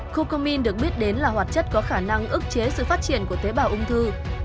cocomin được biết đến là hoạt chất có khả năng ức chế sự phát triển của tế bào ung thư